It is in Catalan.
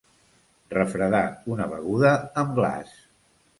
Refredar una beguda amb glaç.